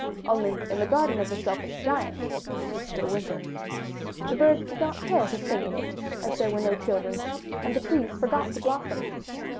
Only in the garden of the Selfish Giant it was still winter. The birds did not care to sing in it as there were no children, and the trees forgot to blossom.